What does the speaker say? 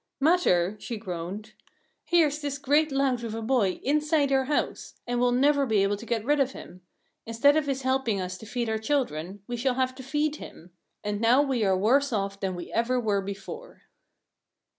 "Matter?" she groaned. "Here's this great lout of a boy inside our house! And we'll never be able to get rid of him. Instead of his helping us to feed our children, we shall have to feed him! And now we are worse off than we ever were before."